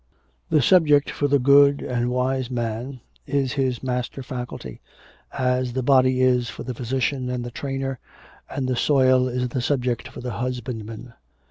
'The subject for the good and wise man is his master faculty, as the body is for the physician and the trainer, and the soil is the subject for the husbandman.